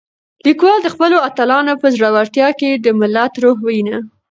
لیکوال د خپلو اتلانو په زړورتیا کې د ملت روح وینه.